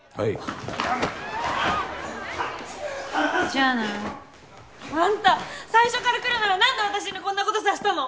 じゃあな。あんた最初から来るならなんで私にこんなことさせたの？